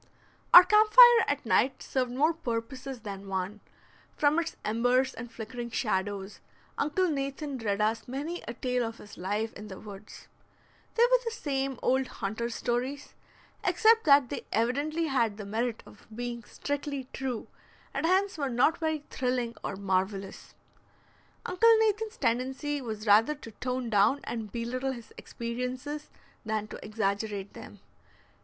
Our camp fire at night served more purposes than one; from its embers and flickering shadows, Uncle Nathan read us many a tale of his life in the woods. They were the same old hunter's stories, except that they evidently had the merit of being strictly true, and hence were not very thrilling or marvelous. Uncle Nathan's tendency was rather to tone down and belittle his experiences than to exaggerate them.